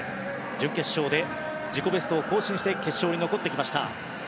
準決勝で自己ベストを更新して決勝に残ってきました。